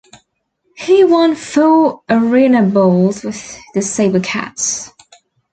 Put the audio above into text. He won four ArenaBowls with the Sabercats.